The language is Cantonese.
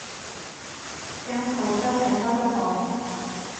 間舖真係收得檔